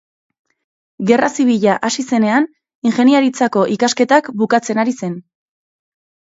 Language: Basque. Gerra zibila hasi zenean ingeniaritzako ikasketak bukatzen ari zen.